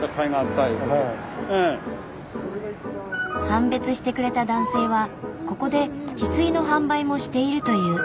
判別してくれた男性はここでヒスイの販売もしているという。